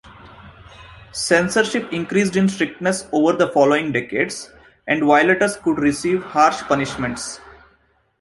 Censorship increased in strictness over the following decades, and violators could receive harsh punishments.